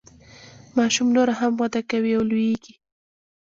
ماشوم نوره هم وده کوي او لوییږي.